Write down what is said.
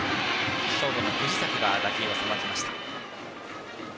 ショートの藤崎が打球をさばきました。